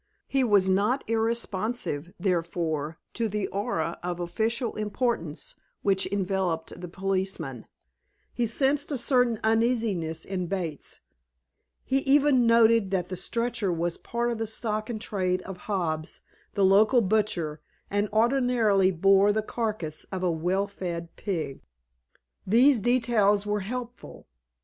He was not irresponsive, therefore, to the aura of official importance which enveloped the policeman; he sensed a certain uneasiness in Bates; he even noted that the stretcher was part of the stock in trade of Hobbs, the local butcher, and ordinarily bore the carcase of a well fed pig. These details were helpful.